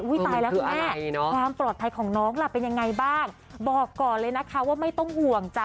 ตายแล้วคุณแม่ความปลอดภัยของน้องล่ะเป็นยังไงบ้างบอกก่อนเลยนะคะว่าไม่ต้องห่วงจ้ะ